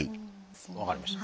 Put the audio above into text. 分かりました。